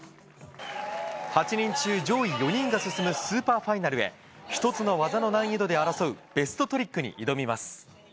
８人中、上位４人が進むスーパーファイナルへ、１つの技の難易度で争うベストトリックに挑みます。